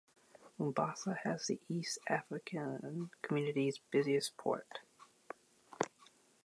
Mombasa has the East African Community's busiest port.